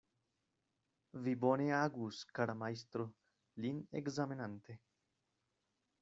Vi bone agus, kara majstro, lin ekzamenante.